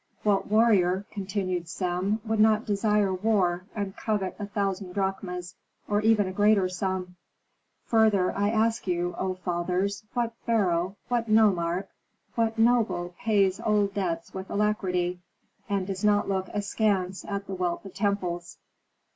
"What warrior," continued Sem, "would not desire war and covet a thousand drachmas, or even a greater sum? Further, I ask you, O fathers, what pharaoh, what nomarch, what noble pays old debts with alacrity, and does not look askance at the wealth of temples?"